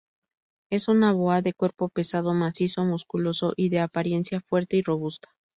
Es una boa de cuerpo pesado, macizo, musculoso y de apariencia fuerte y robusta.